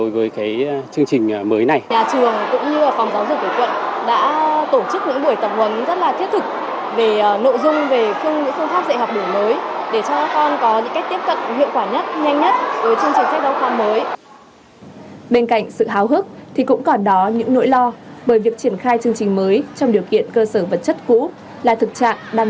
với chương trình mới các em sẽ là trung tâm